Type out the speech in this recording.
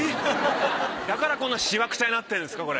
だからこんなしわくちゃになってんすかこれ。